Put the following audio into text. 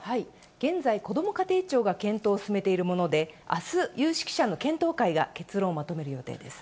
現在、こども家庭庁が検討を進めているもので、あす、有識者の検討会が結論をまとめる予定です。